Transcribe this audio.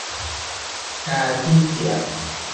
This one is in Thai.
ตาขี้เกียจ !